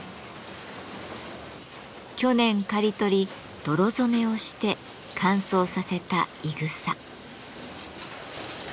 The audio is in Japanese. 去年刈り取り泥染めをして乾燥させたいぐさ。